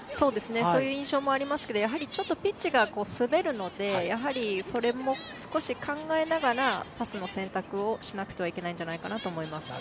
そういう印象もありますがちょっとピッチが滑るので、それも少し考えながらパスの選択をしなくてはいけないんじゃないかなと思います。